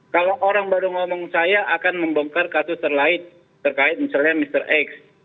kalau orang baru ngomong saya akan membongkar kasus terkait misalnya mr x